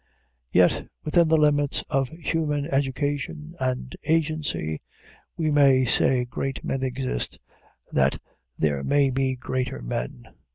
Yet, within the limits of human education and agency, we may say great men exist that there may be greater men.